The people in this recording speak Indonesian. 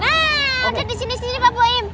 nah udah di sini pak buim